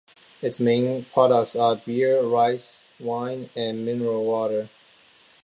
Its main products are beer, rice wine, and mineral water.